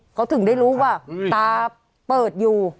เขาถึงได้รู้ว่าตาเปิดอยู่